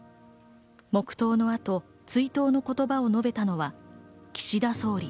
黙とうのあと、追悼の言葉を述べたのは岸田総理。